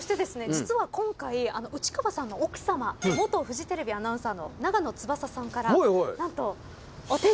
実は今回内川さんの奥さま元フジテレビアナウンサーの長野翼さんから何と。